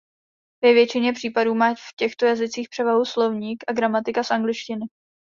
Ve většině případů má v těchto jazycích převahu slovník a gramatika z angličtiny.